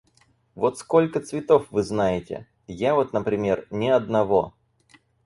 Вот сколько цветов вы знаете? Я вот, например, ни одного.